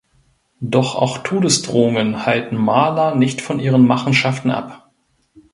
Doch auch Todesdrohungen halten Marla nicht von ihren Machenschaften ab.